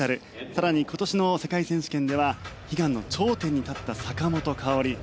更に今年の世界選手権では悲願の頂点に立った坂本花織。